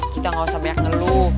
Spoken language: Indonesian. kita gak usah banyak ngeluh